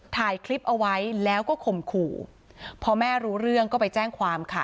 ถ่ายคลิปเอาไว้แล้วก็ข่มขู่พอแม่รู้เรื่องก็ไปแจ้งความค่ะ